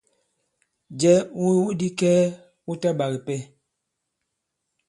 Jɛ wu iwu di kɛɛ wu ta ɓak ipɛ.